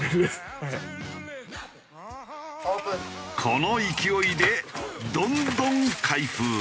この勢いでどんどん開封。